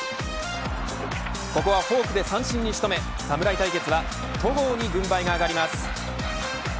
ここはフォークで三振に仕留め侍対決は戸郷に軍配が上がります。